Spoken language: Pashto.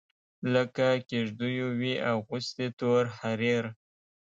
لکه کیږدېو وي اغوستي تور حریر